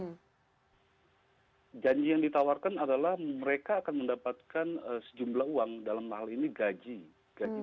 hai janji yang ditawarkan adalah mereka akan mendapatkan sejumlah uang dalam hal ini gaji gaji